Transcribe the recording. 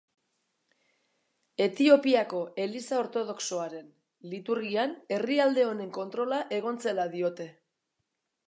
Etiopiako Eliza Ortodoxoaren liturgian herrialde honen kontrola egon zela diote.